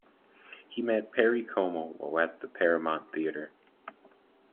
He met Perry Como, while at the Paramount Theater.